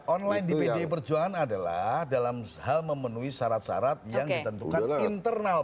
online di pdi perjuangan adalah dalam hal memenuhi syarat syarat yang ditentukan internal